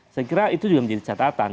saya kira itu juga menjadi catatan